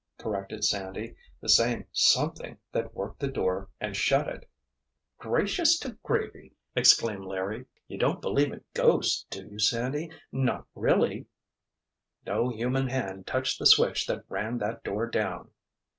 corrected Sandy. "The same 'something' that worked the door and shut it!" "Gracious to gravy!" exclaimed Larry, "you don't believe in ghosts, do you, Sandy? Not really!" "No human hand touched the switch that ran that door down!"